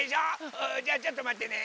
あじゃちょっとまってね。